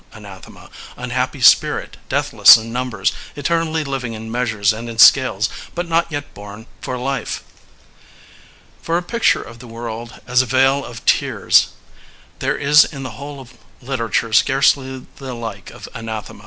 Anathema, unhappy spirit, deathless in numbers, eternally liv ing in measures and in scales, but not yet bom for life. For a picture of the world as a vale of tears there is in the whole of literature scarcely the like of Anathema.